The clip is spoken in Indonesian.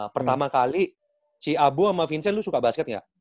pertama kali si abu sama vincent lu suka basket nggak